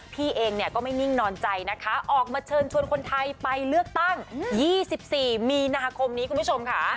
พี่เองเนี่ยก็ไม่นิ่งนอนใจนะคะออกมาเชิญชวนคนไทยไปเลือกตั้ง๒๔มีนาคมนี้คุณผู้ชมค่ะ